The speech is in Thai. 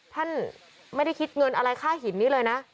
ท่านไม่ได้คิดเงินอะไรค่าหินนี้เลยนะ